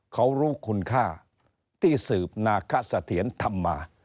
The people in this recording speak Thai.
เขารู้คุณค่าที่สืบนาคสะเทียนทำมา